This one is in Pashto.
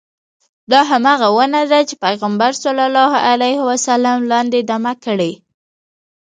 دا همغه ونه ده چې پیغمبر صلی الله علیه وسلم لاندې دمه کړې.